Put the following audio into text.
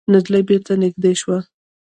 نجلۍ بېرته نږدې شوه.